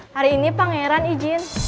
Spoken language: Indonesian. hari ini pangeran izin